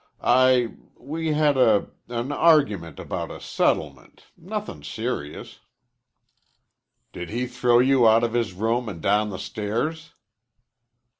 "I we had a an argument about a settlement nothin' serious." "Did he throw you out of his room and down the stairs?"